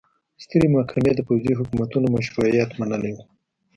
سترې محکمې د پوځي حکومتونو مشروعیت منلی و.